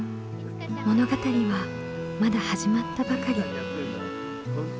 物語はまだ始まったばかり。